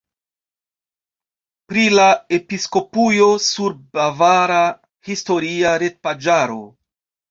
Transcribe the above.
Pri la episkopujo sur bavara historia retpaĝaro.